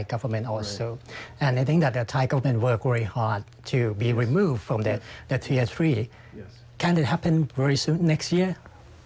จุดที่ต่างจากความที่เราใช้ในฐาวิทยาศาสตร์ไม่ส่งสูงทาง